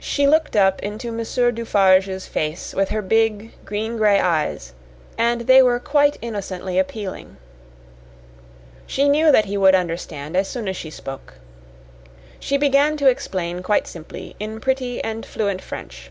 She looked up into Monsieur Dufarge's face with her big, green gray eyes, and they were quite innocently appealing. She knew that he would understand as soon as she spoke. She began to explain quite simply in pretty and fluent French.